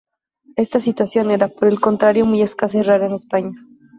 Esta situación era, por el contrario muy escasa y rara en España.